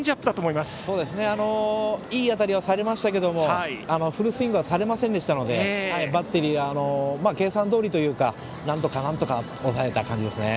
いい当たりはされましたがフルスイングはされませんでしたのでバッテリーは計算どおりというかなんとか抑えた感じですね。